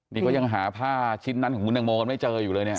นี่ก็ยังหาผ้าชิ้นนั้นของคุณตังโมกันไม่เจออยู่เลยเนี่ย